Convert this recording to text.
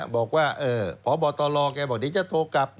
บอกว่าพบตลอจะโทรกลับ